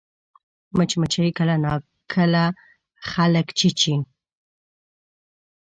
مچمچۍ کله ناکله خلک چیچي